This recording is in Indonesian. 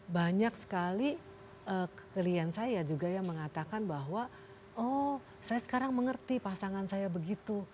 banyak sekali klien saya juga yang mengatakan bahwa oh saya sekarang mengerti pasangan saya begitu